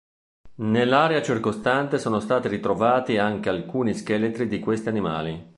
Nell'area circostante sono stati ritrovati anche alcuni scheletri di questi animali.